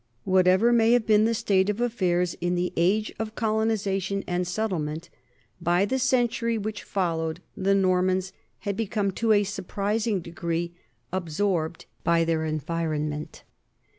Whatever may have been the state of affairs in the age of colonization and settlement, by the century which followed the Normans had become to a surprising degree absorbed by their environment.